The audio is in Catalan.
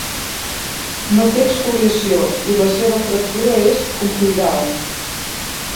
No té exfoliació i la seva fractura és concoidal.